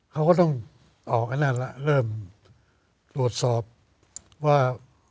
เขาก็ต้องออกไอ้นั่นแล้วเริ่มตรวจสอบว่า